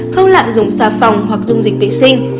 không lạm dụng xà phòng hoặc dung dịch vệ sinh